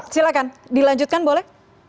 silahkan dilanjutkan boleh